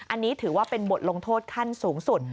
อันนี้ถือว่าเป็นบทลงโทษขั้นสูงสุด